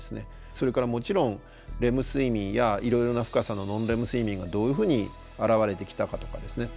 それからもちろんレム睡眠やいろいろな深さのノンレム睡眠がどういうふうに現れてきたかとかですね。